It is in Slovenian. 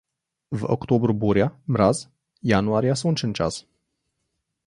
V oktobru burja, mraz, januarja sončen čas.